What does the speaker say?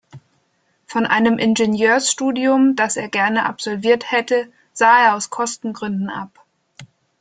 Von einem Ingenieurstudium, das er gerne absolviert hätte, sah er aus Kostengründen ab.